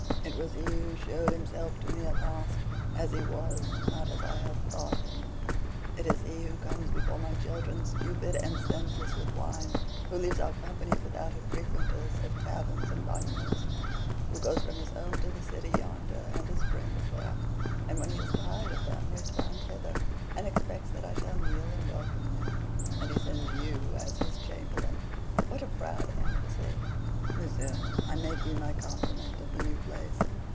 It was he who showed himself to me at last, as he was, not as I had thought him. It is he who comes before my children stupid and senseless with wine who leaves our company for that of frequenters of taverns and bagnios who goes from his home to the City yonder and his friends there, and when he is tired of them returns hither, and expects that I shall kneel and welcome him. And he sends YOU as his chamberlain! What a proud embassy! Monsieur, I make you my compliment of the new place."